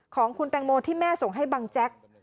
ของคุณแตงโมที่แม่ส่งให้บังแจ๊ก